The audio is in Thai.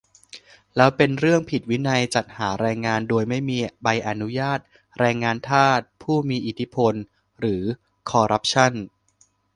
แล้วเป็นเรื่องผิดวินัย จัดหาแรงงานโดยไม่มีใบอนุญาต แรงงานทาส ผู้มีอิทธิพล หรือคอรัปชั่น ?